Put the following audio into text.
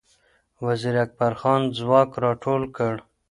وزیر اکبرخان ځواک را ټول کړ